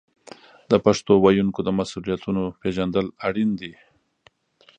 د پښتو ویونکو د مسوولیتونو پیژندل اړین دي.